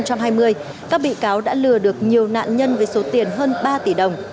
các bị cáo đã lừa được nhiều nạn nhân với số tiền hơn ba tỷ đồng